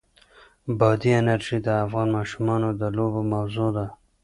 بادي انرژي د افغان ماشومانو د لوبو موضوع ده.